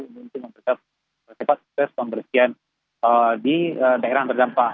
untuk mempercepat proses pembersihan di daerah yang terdampak